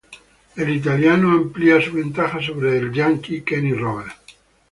El italiano amplia su ventaja sobre el estadounidense Kenny Roberts.